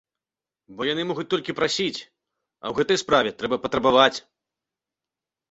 Бо яны могуць толькі прасіць, а ў гэтай справе трэба патрабаваць.